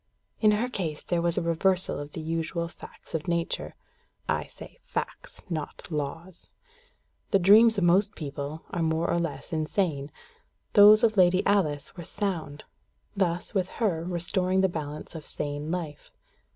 In her case there was a reversal of the usual facts of nature (I say facts, not laws): the dreams of most people are more or less insane; those of Lady Alice were sound; thus, with her, restoring the balance of sane life.